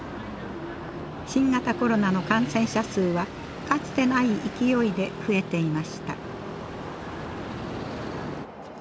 新型コロナの感染者数はかつてない勢いで増えていました。